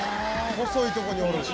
細いとこにおる。